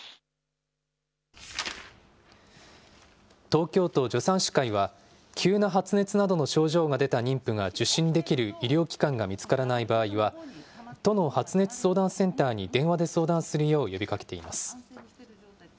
東京都助産師会は、急な発熱などの症状が出た妊婦が受診できる医療機関が見つからない場合は、都の発熱相談センターに電話で相談するよう呼びかけています。